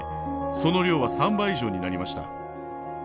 その量は３倍以上になりました。